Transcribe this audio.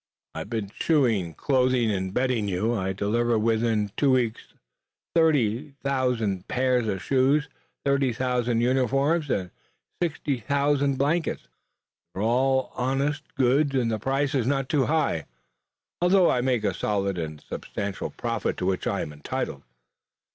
"I've been shoeing, clothing and bedding you. I deliver within two weeks thirty thousand pairs of shoes, thirty thousand uniforms, and sixty thousand blankets. They are all honest goods and the price is not too high, although I make the solid and substantial profit to which I am entitled.